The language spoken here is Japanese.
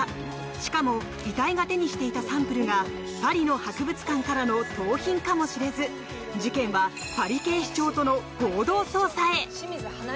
しかも遺体が手にしていたサンプルがパリの博物館からの盗品かもしれず事件はパリ警視庁との合同捜査へ。